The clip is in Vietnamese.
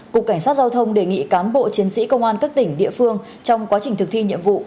cục cảnh sát giao thông đề nghị cán bộ chiến sĩ công an các tỉnh địa phương trong quá trình thực thi nhiệm vụ